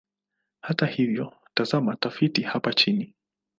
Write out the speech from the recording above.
Hata hivyo, tazama tafiti hapa chini.